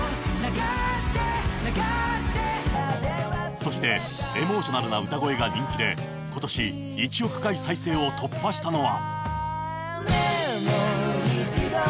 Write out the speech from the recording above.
そしてエモーショナルな歌声が人気で今年１億回再生を突破したのは。